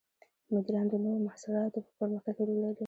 مدیران د نوو محصولاتو په پرمختګ کې رول لري.